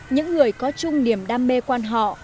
những người có chung niềm đam mê quán họ